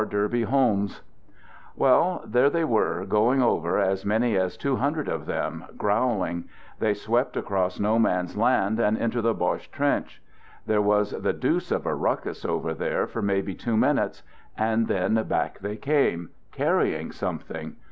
Derby Holmes) Well, there they were, going over, as many as ' two hundred of them — growling. ... They swept across No Man's Land and into the Boche 161 162 "THE GOOD SOLDIER 'trench. There was the deuce of a ruckus over there for maybe two minutes, and then back they came —' carrying something.